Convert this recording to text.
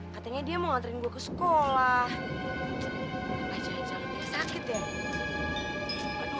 katanya dia mau ngaterin gue ke sekolah